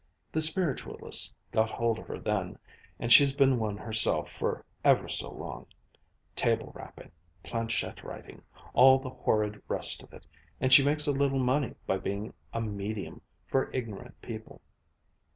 The Spiritualists got hold of her then, and she's been one herself for ever so long table rapping planchette writing all the horrid rest of it, and she makes a little money by being a "medium" for ignorant people.